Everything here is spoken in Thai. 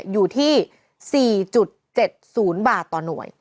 อยู่ที่๔๗๐บาทต่อหน่วย